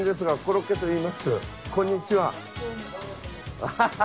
こんにちは。